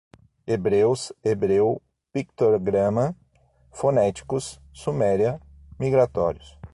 Hebreus, hebreu, pictograma, fonéticos, suméria, migratórios